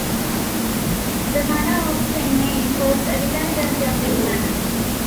The manor of Penmayne was a dependency of this manor.